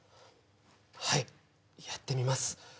はいやってみます